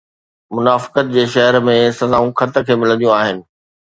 منافقت جي شهر ۾ سزائون خط کي ملنديون آهن